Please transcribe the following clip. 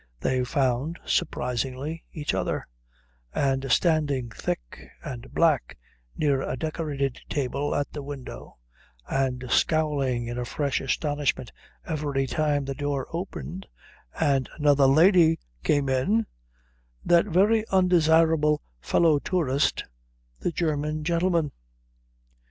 They found, surprisingly, each other; and, standing thick and black near a decorated table at the window and scowling in a fresh astonishment every time the door opened and another lady came in, that very undesirable fellow tourist, the German gentleman.